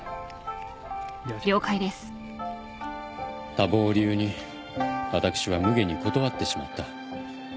多忙を理由に私はむげに断ってしまった。